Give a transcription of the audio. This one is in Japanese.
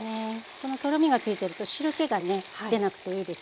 このとろみがついてると汁けが出なくていいですよ。